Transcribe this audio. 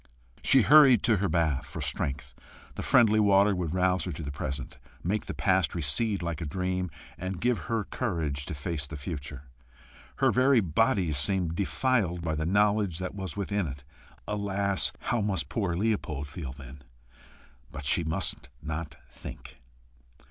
She hurried to her bath for strength: the friendly water would rouse her to the present, make the past recede like a dream, and give her courage to face the future. Her very body seemed defiled by the knowledge that was within it. Alas! how must poor Leopold feel, then! But she must not think.